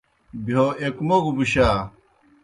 بِہیو ایک موگوْ مُشا۔